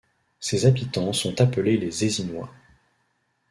Ses habitants sont appelés les Eyzinois.